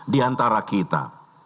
di antara kita